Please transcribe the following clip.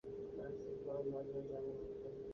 Francis Brown লন্ডনে জন্মগ্রহণ করেন।